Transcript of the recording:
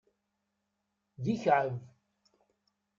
D ikɛeb.